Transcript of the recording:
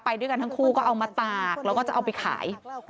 ไปด้วยกันทั้งคู่ก็เอามาตากแล้วก็จะเอาไปขาย